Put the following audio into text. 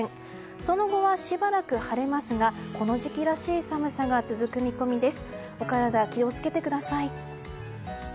その後は、しばらく晴れますがこの時期らしい寒さが続く見込みです。